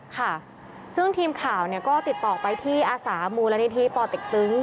ค่ะซึ่งทีมข่าวเนี่ยก็ติดต่อไปที่อาสามูลนิธิป่อเต็กตึง